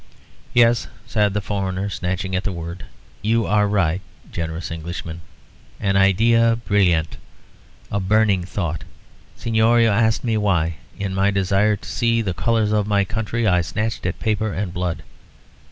"Yes," said the foreigner, snatching at the word. "You are right, generous Englishman. An idea brillant, a burning thought. Señor, you asked me why, in my desire to see the colours of my country, I snatched at paper and blood.